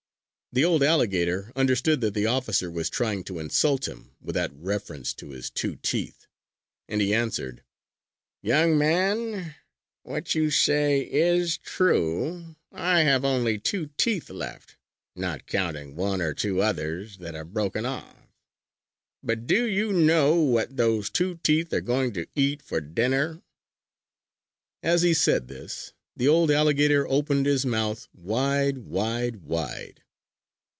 The old alligator understood that the officer was trying to insult him with that reference to his two teeth, and he answered: "Young man, what you say is true. I have only two teeth left, not counting one or two others that are broken off. But do you know what those two teeth are going to eat for dinner?" As he said this the old alligator opened his mouth wide, wide, wide.